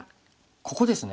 ここですね。